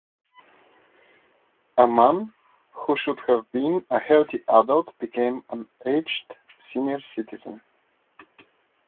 A man who should have been a healthy adult became an aged senior citizen.